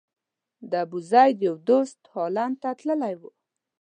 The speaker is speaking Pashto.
د ابوزید یو دوست هالند ته تللی و.